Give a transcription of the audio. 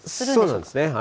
そうなんですね。